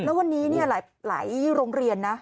แล้ววันนี้หลายโรงเรียนนะ